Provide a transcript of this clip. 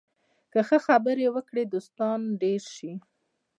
که ښه خبرې وکړې، دوستان ډېر شي